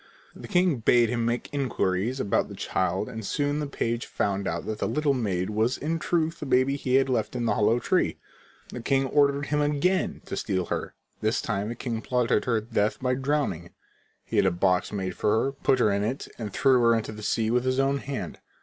The king bade him make inquiries about the child and soon the page found out that the little maid was in truth the baby he had left in the hollow tree. The king ordered him again to steal her. This time the king plotted her death by drowning. He had a box made for her, put her in it, and threw her into the sea with his own hand.